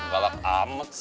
balak amet sih